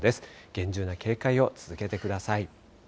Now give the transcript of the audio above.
厳重な警戒を続けてください。